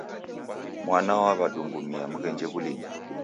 Mwana w'aw'adungumia, mghenje w'ulinyi